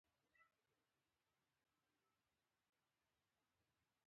هغه انسان په رښتیا ازاد دی چې د بې شهرتۍ په وخت کې.